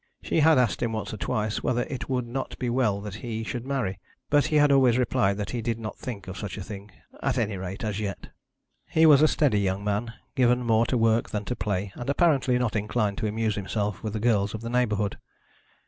She had asked him once or twice whether it would not be well that he should marry, but he had always replied that he did not think of such a thing at any rate as yet. He was a steady young man, given more to work than to play, and apparently not inclined to amuse himself with the girls of the neighbourhood.